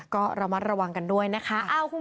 ก็ระมัดระวังกันด้วยนะคะ